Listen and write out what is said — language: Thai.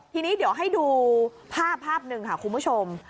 ทีนี้เดี๋ยวให้ดูภาพภาพหนึ่งค่ะคุณผู้ชม